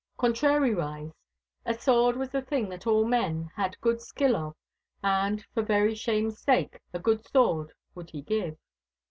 Contrariwise a sword was a thing that all men had good skill of, and for very shame's sake a good sword would he give.